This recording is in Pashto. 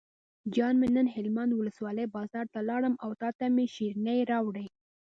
جان مې نن هلمند ولسوالۍ بازار ته لاړم او تاته مې شیرینۍ راوړې.